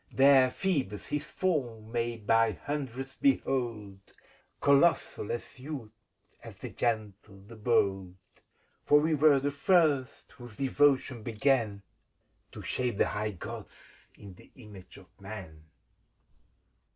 There Phoebus his form may by hundreds behold, — Colossal, as youth, as the Gentle, the Bold ; For we were the first whose devotion began To shape the high Gods in the image of Man.